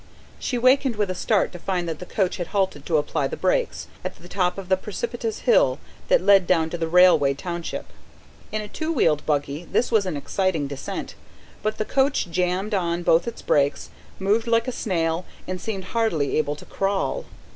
She wakened with a start to find that the coach had halted to apply the brakes, at the top of the precipitous hill that led down to the railway township. In a two wheeled buggy this was an exciting descent; but the coach jammed on both its brakes, moved like a snail, and seemed hardly able to crawl.